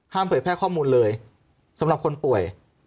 เผยแพร่ข้อมูลเลยสำหรับคนป่วย